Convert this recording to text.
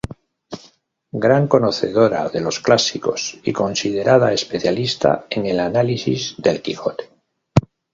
Gran conocedora de los clásicos, y considerada especialista en el análisis del "Quijote.